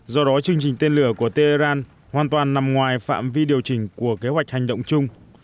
do đó chương trình tên lửa của tehran hoàn toàn nằm ngoài phạm vi điều chỉnh của kế hoạch hành động chung